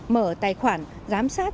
mở tài khoản giám sát